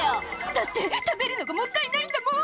「だって食べるのがもったいないんだもん！」